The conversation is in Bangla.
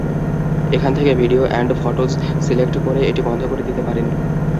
এখান থেকে ভিডিও অ্যান্ড ফটোজে সিলেক্ট করে এটি বন্ধ করে দিতে পারেন।